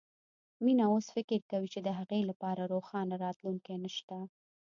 مينه اوس فکر کوي چې د هغې لپاره روښانه راتلونکی نه شته